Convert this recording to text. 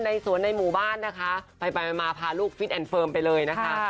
ในสวนในหมู่บ้านนะคะไปไปมาพาลูกไปเลยนะคะ